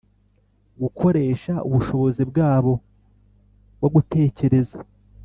gukoresha ubushobozi bwabo bwo gutekereza